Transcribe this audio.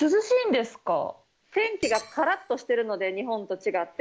天気がカラっとしてるので日本と違って。